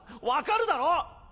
わかるだろ？